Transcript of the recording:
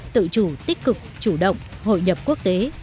đủ tích cực chủ động hội nhập quốc tế